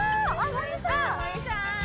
森さん。